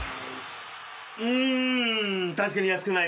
うん。